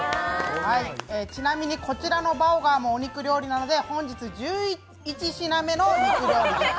ちなみにこちらのバーガーもお肉料理なので本日１１品目の肉料理です。